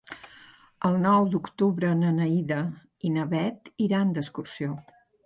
El nou d'octubre na Neida i na Bet iran d'excursió.